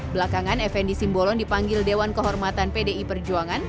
belakangan fn di simbolon dipanggil dewan kehormatan pdi perjuangan